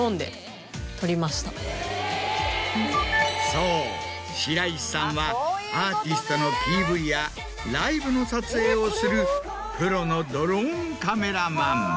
そう白石さんはアーティストのＰＶやライブの撮影をするプロのドローンカメラマン。